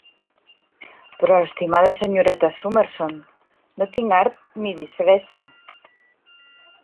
Però, estimada senyoreta Summerson, no tinc art, ni disfressa.